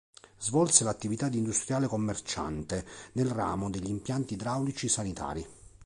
Svolse l'attività di industriale commerciante nel ramo degli impianti idraulici sanitari.